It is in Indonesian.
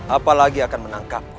apalagi akan menangkapku